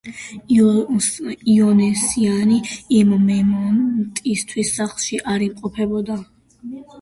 იონესიანი იმ მომენტისთვის სახლში არ იმყოფებოდა.